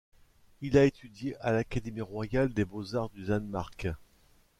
Il a étudié à l'académie royale des beaux-arts du Danemark.